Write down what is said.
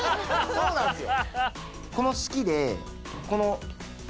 そうなんすよ。